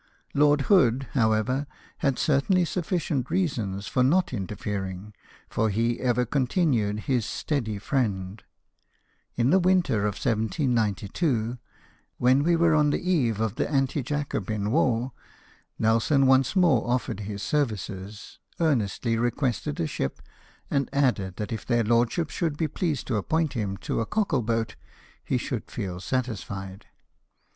Lord Hood, however, had certainly sufficient reasons for not interfering, for he ever con tinued his steady friend. In the winter of 1792, when we were on the eve of the Anti Jacobin war. Nelson once more offered his services, earnestly requested a ship, and added that if their lordships should be pleased to appoint him to a cockle boat, he should feel satisfied.